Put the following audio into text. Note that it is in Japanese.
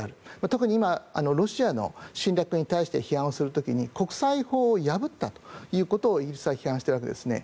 特に今、ロシアの侵略に対して批判をする時に国際法を破ったということをイギリスは批判しているわけですね。